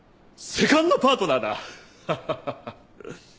セカンドパートナー？